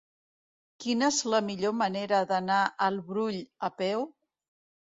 Quina és la millor manera d'anar al Brull a peu?